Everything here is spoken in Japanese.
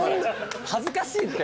恥ずかしいって。